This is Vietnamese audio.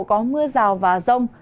có mưa rào và rông